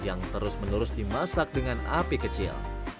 yang terus menerus dimasak dengan api kecil